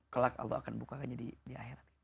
kelak allah akan bukanya di akhirat